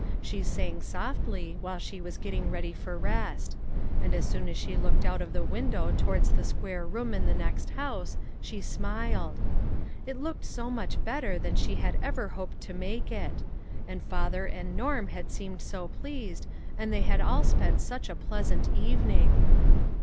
She sang softly, while she was getting ready for rest ; and as often as she looked out of the window towards the square room in the PLEASURE AND DISAPPOINTMENT. 187 next house, she smiled. It looked so much bet ter than she had ever hoped to make it; and father and Norm had seemed so pleased, and they had all spent such a pleasant evening.